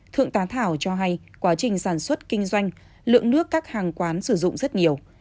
thượng tá thảo cho hay quá trình sản xuất kinh doanh lượng nước các hàng quán sử dụng rất nhiều